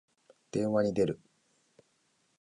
電話に出る。